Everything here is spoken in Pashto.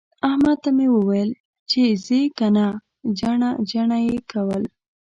احمد ته مې وويل چې ځې که نه؟ جڼه جڼه يې کول.